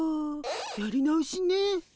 やり直しね。